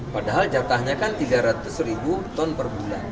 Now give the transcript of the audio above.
padahal jatahnya kan tiga ratus ribu ton per bulan